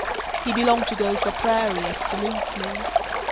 He belonged to Gopher Prairie, absolutely.